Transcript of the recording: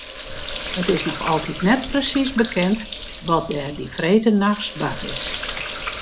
It is noch altyd net presiis bekend wat der dy freedtenachts bard is.